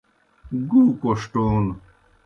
گُو کوݜٹون